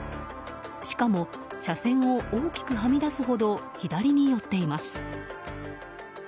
しかも車線を大きくはみ出すほど左に寄っています。